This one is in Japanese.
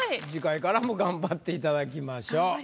次回からも頑張っていただきましょう。